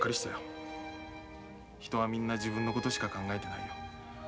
人はみんな自分のことしか考えてないよ。